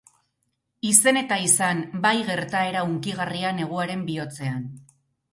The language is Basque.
Izen eta izan, bai gertaera hunkigarria neguaren bihotzean.